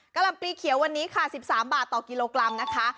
ลำปลีเขียววันนี้ค่ะ๑๓บาทต่อกิโลกรัมนะคะ